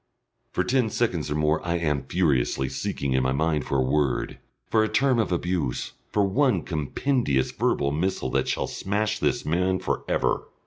For ten seconds or more I am furiously seeking in my mind for a word, for a term of abuse, for one compendious verbal missile that shall smash this man for ever.